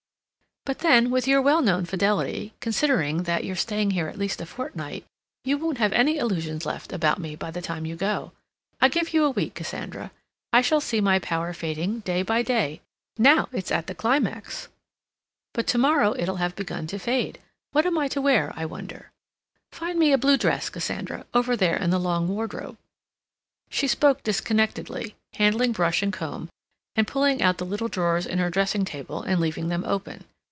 "But then, with your well known fidelity, considering that you're staying here at least a fortnight, you won't have any illusions left about me by the time you go. I give you a week, Cassandra. I shall see my power fading day by day. Now it's at the climax; but to morrow it'll have begun to fade. What am I to wear, I wonder? Find me a blue dress, Cassandra, over there in the long wardrobe." She spoke disconnectedly, handling brush and comb, and pulling out the little drawers in her dressing table and leaving them open.